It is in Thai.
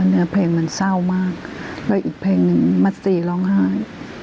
เนื้อเพลงมันเศร้ามากแล้วอีกเพลงหนึ่งมัตตีร้องไห้